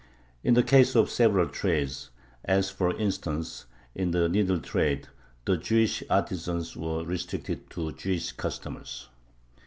In the case of several trades, as, for instance, in the needle trade, the Jewish artisans were restricted to Jewish customers.